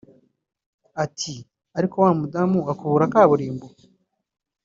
Ati “Ariko wa mudamu ukubura kaburimbo